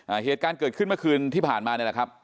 เหตุการณ์เกิดขึ้นเมื่อคืนที่ผ่านมานี่แหละครับ